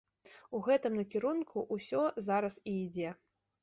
У гэтым накірунку ўсё зараз і ідзе.